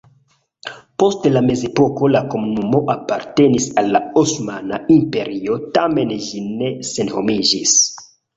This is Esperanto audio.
Post la mezepoko la komunumo apartenis al la Osmana Imperio, tamen ĝi ne senhomiĝis.